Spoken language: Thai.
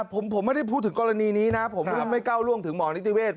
ผมไม่ได้พูดถึงกรณีนี้นะผมไม่ก้าวล่วงถึงหมอนิติเวศ